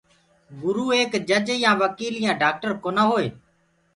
گُرو ايڪ جيج يآ وڪيل يآ ڊآڪٽر ڪونآ هٽوئي۔